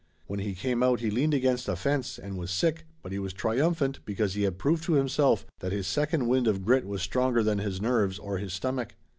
When he came out he leaned against a fence and was sick, but he was triumphant because he had proved to himself that his second wind of grit was stronger than his nerves or his stomach.